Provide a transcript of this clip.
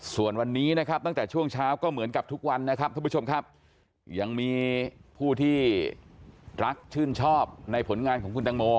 ส่วนวันนี้นะครับตั้งแต่ช่วงเช้าก็เหมือนกับทุกวันนะครับท่านผู้ชมครับยังมีผู้ที่รักชื่นชอบในผลงานของคุณตังโม